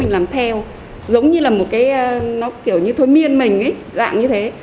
mình làm theo giống như là một cái nó kiểu như thôi miên mình ý dạng như thế